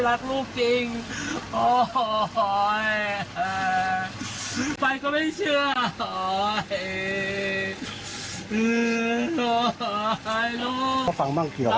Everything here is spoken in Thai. และคนที่ก็จะอารมณ์มรุนแรง